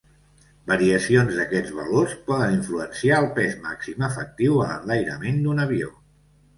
Variacions d'aquests valors poden influenciar el pes màxim efectiu a l'enlairament d'un avió.